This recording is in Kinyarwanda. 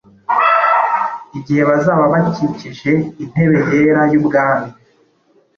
igihe bazaba bakikije intebe yera y’ubwami.